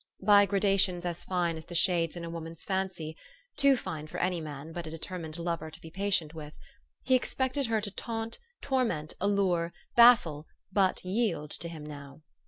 By gradations as fine as the shades in a woman's fancy too fine for any man but a deter mined lover to be patient with he expected her to taunt, torment, allure, baffle, but yield to him now.